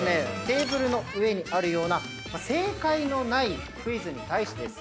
テーブルの上にあるような正解のないクイズに対してですね